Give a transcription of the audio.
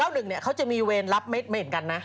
๑๙๑เนี่ยเขาจะมีเวรรับไม่เห็นกันนะ